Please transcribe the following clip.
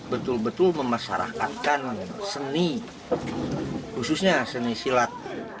betul betul memasyarakatkan seni khususnya seni silat